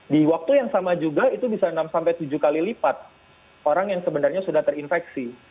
di waktu yang sama juga itu bisa enam tujuh kali lipat orang yang sebenarnya sudah terinfeksi